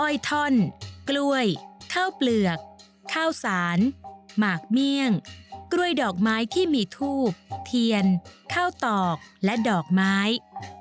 ้อยท่อนกล้วยข้าวเปลือกข้าวสารหมากเมี่ยงกล้วยดอกไม้ที่มีทูบเทียนข้าวตอกและดอกไม้